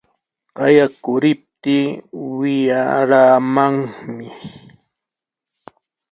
Qayakuriptii wiyaramanmi.